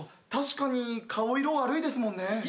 確かに顔色悪いですもんね。